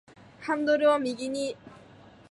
ハンドルを右に